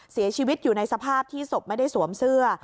เสียชีวิตอยู่ในสภาพที่ศพไม่ได้สวมเสื้อ